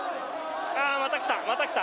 また来た！